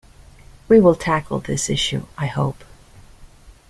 We will tackle this issue, I hope.